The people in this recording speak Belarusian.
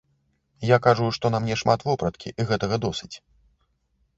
Я кажу, што на мне шмат вопраткі, і гэтага досыць.